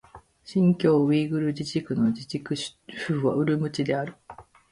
新疆ウイグル自治区の自治区首府はウルムチである